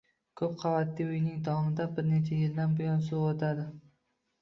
Ko‘p qavatli uyning tomidan bir necha yildan buyon suv o‘tadi.